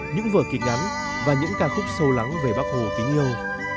những vở kịch ngắn và những ca khúc sâu lắng về bác hồ kính yêu